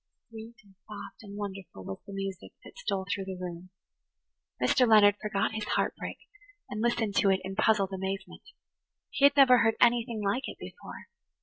Sweet and soft and wonderful was the music that stole through the room. Mr. Leonard forgot his heart break and listened to it in puzzled amazement. He had never heard anything like it before.